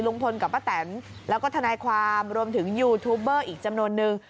ลุงพลกับป้าแตนแล้วก็ทนายความรวมถึงยูทูปเบอร์อีกจำนวนนึง